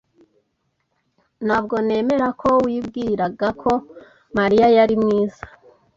Ntabwo nemera ko wibwiraga ko Mariya yari mwiza.